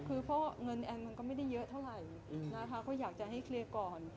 คือเพราะเงินแอนมันก็ไม่ได้เยอะเท่าไหร่นะคะก็อยากจะให้เคลียร์ก่อน